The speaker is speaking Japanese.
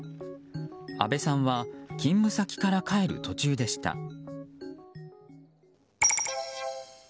安部さんは勤務先から帰る途中でした。